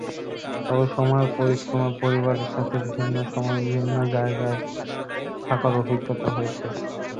তবে সময়ের পরিক্রমায় পরিবারের সাথে বিভিন্ন সময়ে বিভিন্ন জায়গায় থাকার অভিজ্ঞতা হয়েছে।